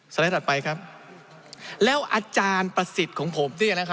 ไลด์ถัดไปครับแล้วอาจารย์ประสิทธิ์ของผม